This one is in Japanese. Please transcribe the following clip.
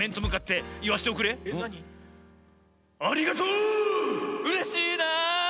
うれしいな。